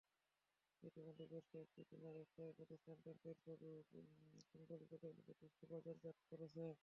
ইতিমধ্যে বেশ কয়েকটি চীনা ব্যবসায়ী প্রতিষ্ঠান ট্রাম্পের ছবি সংবলিত টয়লেট টিস্যু বাজারজাত করছে।